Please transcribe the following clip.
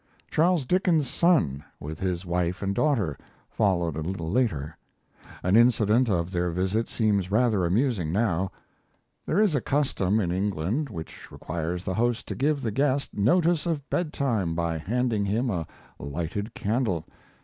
Charles Dickens's son, with his wife and daughter, followed a little later. An incident of their visit seems rather amusing now. There is a custom in England which requires the host to give the guest notice of bedtime by handing him a lighted candle. Mrs.